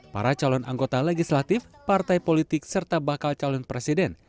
para calon anggota legislatif partai politik serta bakal calon presiden